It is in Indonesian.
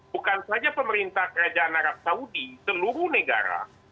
bukan saja pemerintah kerajaan arab saudi seluruh negara